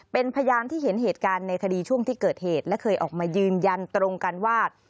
เป็นพยานที่เห็นเหตุการณ์ในคดีช่วงที่เกิดเหตุและเคยออกมายืนยันตรงกันว่า